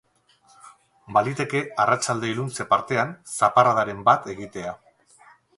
Baliteke arratsalde-iluntze partean zaparradaren bat egitea.